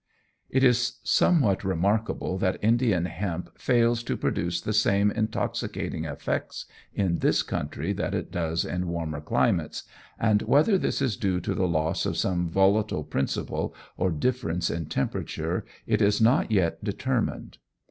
It is somewhat remarkable that Indian hemp fails to produce the same intoxicating effects in this country that it does in warmer climates, and whether this is due to the loss of some volatile principle or difference in temperature it is not yet determined.